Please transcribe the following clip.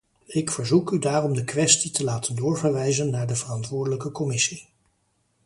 Ik verzoek daarom de kwestie te laten doorverwijzen naar de verantwoordelijke commissie.